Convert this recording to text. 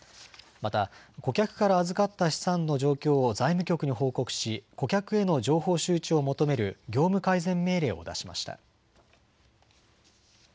また顧客から預かった資産の状況を財務局に報告し顧客への情報周知を求める業務改善命令を出しました。